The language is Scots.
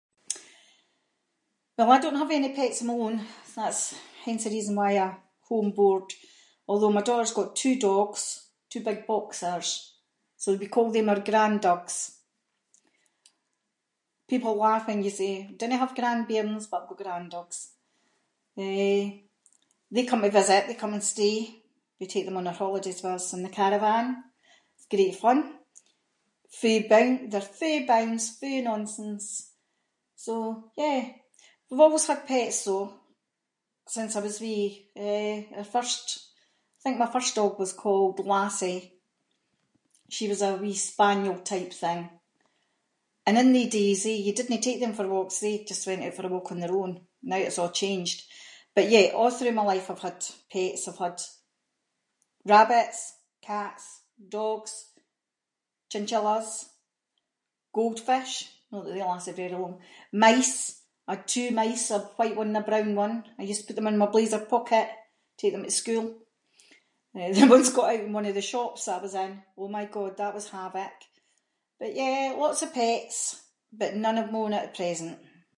Well I don’t have any pets of my own, that’s- hence the reason why I home board, although my daughter’s got two dogs, two big boxers, so we call them oor grand-dugs, people laugh when you say, we dinna have grandbairns but we’ve grand-dugs. Eh, they come to visit, they come and stay, we take them on our holidays with us in the caravan, it’s great fun. They’re fu' of bounce, fu' of nonsense, so, yeah. We’ve always had pets though, since I was wee, eh, our first- I think my first dog was called Lassie, she was a wee spaniel type thing, and in they days eh, you didnae take them for walks, they just went oot for a walk on their own, now it’s a’ changed. But yeah a’ through my life I’ve had pets, I’ve had rabbits, cats, dogs, chinchillas, goldfish, not that they lasted very long, mice, I had two mice, a white one and a brown one, I used to put them in my blazer pocket, take them to school eh, they once got out in one of the shops that I was in, oh my god that was havoc. But yeah, lots of pets, but none of my own at the present.